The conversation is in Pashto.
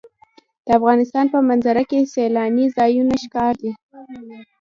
د افغانستان په منظره کې سیلانی ځایونه ښکاره ده.